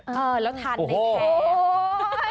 เฮ้อแล้วทานในแพร่